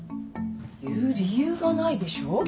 言う理由がないでしょ。